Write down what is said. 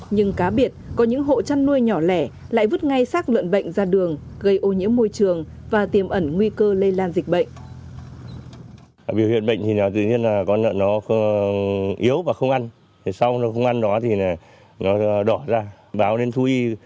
nhưng cá biệt có những hộ chăn nuôi nhỏ lẻ lại vứt ngay sát lợn bệnh ra đường gây ô nhiễm môi trường và tiềm ẩn nguy cơ lây lan dịch bệnh